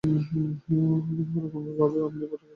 হরকুমারবাবু, আপনি পটলকে বড়ো বেশি প্রশ্রয় দিয়া থাকেন।